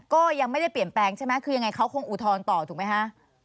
ก็ยังไม่ได้เปลี่ยนแปลงใช่ไหมคือยังไงเขาคงอุทธรณ์ต่อถูกไหมคะ